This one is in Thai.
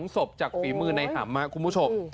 ๒ศพจากฝีมือในหำคุณผู้ชม